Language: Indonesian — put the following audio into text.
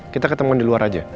kita ketemu di luar aja